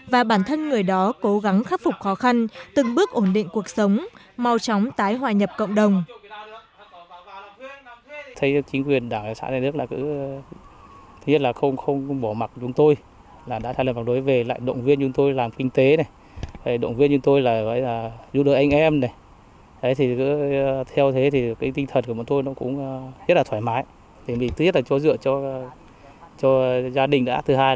và bản thân người đó cố gắng khắc phục khó khăn từng bước ổn định cuộc sống mau chóng tái hòa nhập cộng đồng